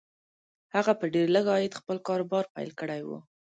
هغه په ډېر لږ عاید خپل کاروبار پیل کړی و